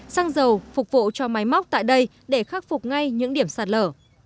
xăng dầu phục vụ cho máy móc tại đây để khắc phục ngay những điểm sạt lở